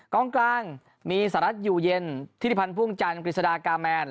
กล้องกลางมีสรรทยูเย็นธิริพันธ์ภูมิจันทร์กฤษฎากาแมน